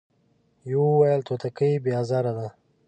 يوه ويل توتکۍ بې ازاره ده ،